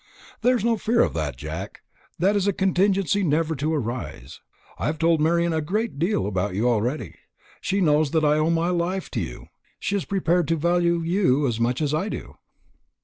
"There is no fear of that, Jack. That is a contingency never to arise. I have told Marian a great deal about you already. She knows that I owe my life to you, and she is prepared to value you as much as I do."